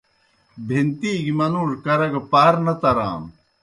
بِہنتِی گہْ منُوڙوْ کرہ گہ پار نہ ترانوْ۔